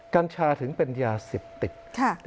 กัญชาถึงเป็นยาเสพติด